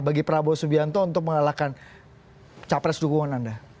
bagi pak prabowo subianto untuk mengalahkan cawpres dukungan anda